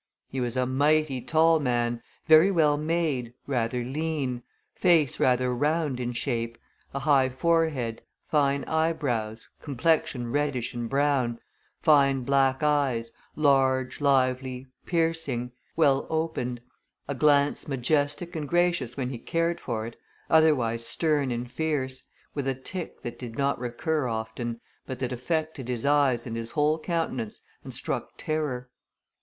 He was a mighty tall man, very well made, rather lean, face rather round in shape, a high forehead, fine eyebrows, complexion reddish and brown, fine black eyes, large, lively, piercing; well opened; a glance majestic and gracious when he cared for it, otherwise stern and fierce, with a tic that did not recur often, but that affected his eyes and his whole countenance, and struck terror.